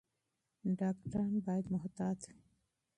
ډاکټران باید محتاط وي.